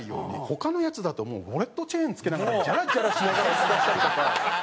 他のヤツだともうウォレットチェーン着けながらジャラジャラしながら椅子出したりとか。